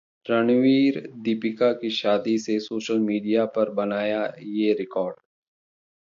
रणवीर-दीपिका की शादी ने सोशल मीडिया पर बनाया ये रिकॉर्ड?